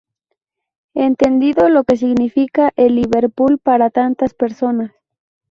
Entiendo lo que significa el Liverpool para tantas personas.